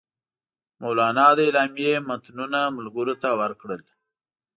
مولنا د اعلامیې متنونه ملګرو ته ورکړل.